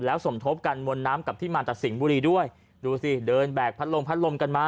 แล้วสมทบกันมวลน้ำกับที่มาจากสิงห์บุรีด้วยดูสิเดินแบกพัดลมพัดลมกันมา